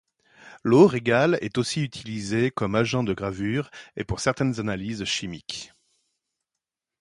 L'eau régale est aussi utilisée comme agent de gravure et pour certaines analyses chimiques.